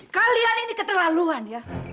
kalian ini keterlaluan ya